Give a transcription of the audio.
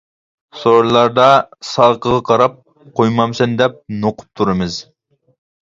سورۇنلاردا ساقىغا قاراپ، قۇيمامسەن دەپ نوقۇپ تۇرىمىز.